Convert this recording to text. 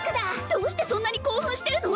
どうしてそんなに興奮してるの！？